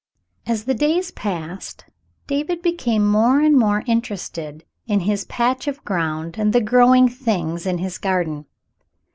As the days passed, David became more and more inter ested in his patch of ground and the growing things in his garden.